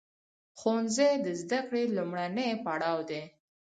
ښوونځی د زده کړې لومړنی پړاو دی.